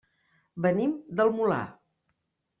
Venim del Molar.